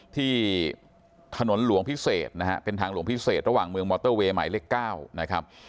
ที่ถนนหลวงพิเศษนะฮะเป็นทางหลวงพิเศษระหว่างเมืองมอเตอร์เวย์หมายเลข๙นะครับ